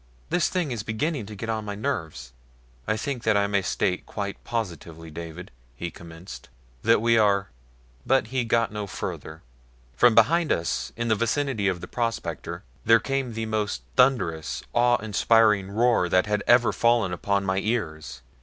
"This thing is beginning to get on my nerves." "I think that I may state quite positively, David," he commenced, "that we are " but he got no further. From behind us in the vicinity of the prospector there came the most thunderous, awe inspiring roar that ever had fallen upon my ears.